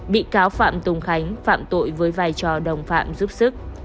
bị cáo phạm tùng khánh phạm tội với vai trò đồng phạm giúp sức